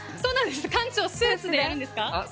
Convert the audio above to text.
館長、スーツでやるんですか？